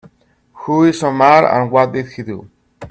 Who is Omar and what did he do?